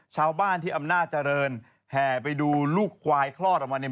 ชาวบ้านที่อำนาจเจริญแห่ไปดูลูกควายคลอดออกมาเนี่ย